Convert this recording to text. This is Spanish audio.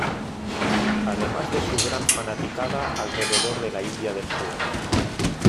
Además de su gran fanaticada alrededor de la India del sur.